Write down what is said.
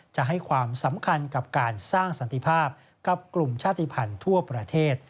จะให้ความสำคัญกับการสร้างสันติภาพกับกลุ่มชาติภัณฑ์ทั่วประเทศ